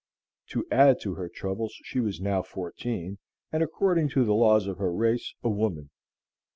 To add to her troubles, she was now fourteen, and, according to the laws of her race, a woman.